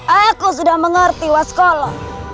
aku sudah mengerti waskolo